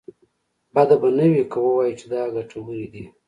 بده به نه وي که ووايو چې دا ګټورې دي.